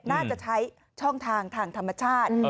น่าจะใช้ช่องทางทางธรรมชาติ